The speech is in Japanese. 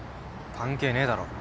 関係ねえだろ。